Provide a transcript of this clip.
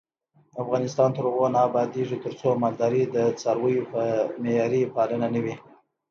افغانستان تر هغو نه ابادیږي، ترڅو مالداري د څارویو په معیاري پالنه نه وي.